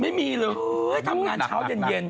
ไม่มีเลยทำงานเช้าเย็น